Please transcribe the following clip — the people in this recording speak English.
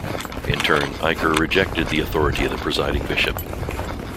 In turn, Iker rejected the authority of the Presiding Bishop.